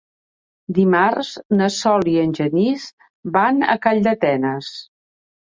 Dimarts na Sol i en Genís van a Calldetenes.